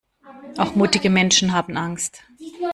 Auch mutige Menschen haben Angst.